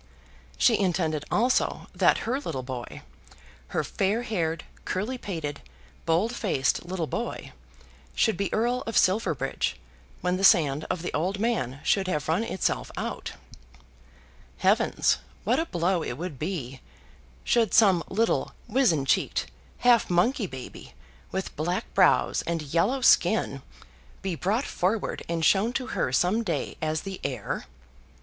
She intended also that her little boy, her fair haired, curly pated, bold faced little boy, should be Earl of Silverbridge when the sand of the old man should have run itself out. Heavens, what a blow would it be, should some little wizen cheeked half monkey baby, with black brows, and yellow skin, be brought forward and shown to her some day as the heir!